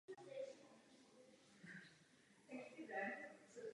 Hlavním motivem této kolonizace bylo nejspíše hledání zlata.